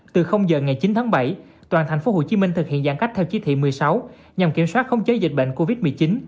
từ giờ ngày chín tháng bảy toàn thành phố hồ chí minh thực hiện giãn cách theo chí thị một mươi sáu nhằm kiểm soát không chế dịch bệnh covid một mươi chín